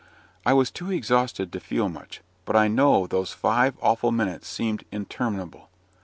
I was too exhausted to feel much; but I know those five awful minutes seemed interminable.